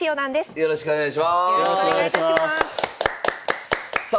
よろしくお願いします。